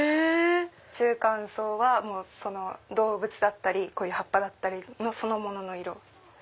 中間層は動物だったり葉っぱだったりそのものの色。